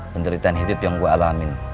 penderitaan hidup yang gue alamin